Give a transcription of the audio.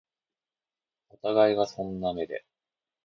お互いがそんな目で